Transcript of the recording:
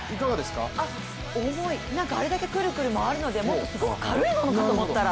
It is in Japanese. あっ、重い、あれだけくるくる回るので、もっと軽いものかと思ったら。